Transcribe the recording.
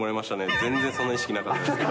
全然そんな意識なかったですけど。